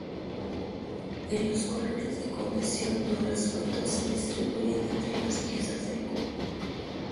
En los colores de condición no resueltos se distribuyen entre las piezas del cubo.